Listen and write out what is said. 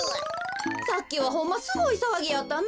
さっきはほんますごいさわぎやったな。